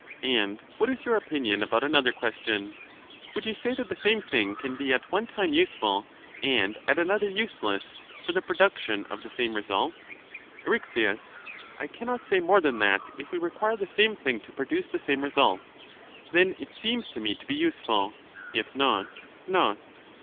And what is your opinion about another question: — Would you say that the same thing can be at one time useful and at another useless for the production of the same result? Eryx. I cannot say more than that if we require the same thing to produce the same result, then it seems to me to be useful ; if not, not.